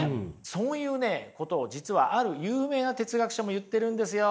そういうことを実はある有名な哲学者も言ってるんですよ。